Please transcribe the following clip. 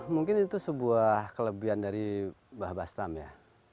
mungkin itu sebuah kelebihan dari mbah bastam ya